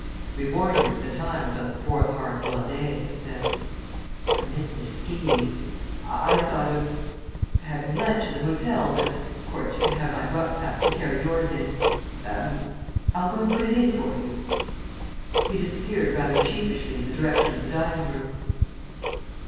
"We warned you at the time about the fourth hard boiled egg," I said. "I meant the ski ing. We thought of I thought of having lunch in the hotel, but, of course, you can have my rucksack to carry yours in. Er I'll go and put it in for you." He disappeared rather sheepishly in the direction of the dining room.